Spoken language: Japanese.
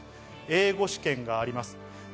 英語試験があります。